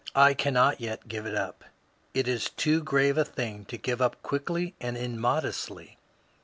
I cannot yet give it up. It is too grave a thing to give up quickly and immodestly.